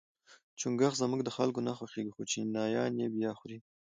چونګښي زموږ د خلکو نه خوښیږي خو چینایان یې با خوري.